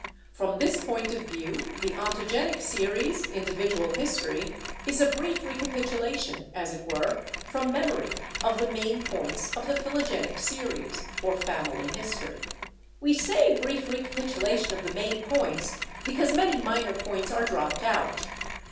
From this point of view the ontogenic series (individual history) is a brief recapitulation, as it were, from mem ory, of the main points of the philogenic series, or family history. We say brief recapitulation of the main points, because many minor points are dropped out.